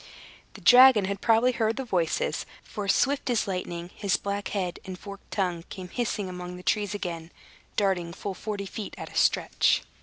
The dragon had probably heard the voices; for swift as lightning, his black head and forked tongue came hissing among the trees again, darting full forty feet at a stretch.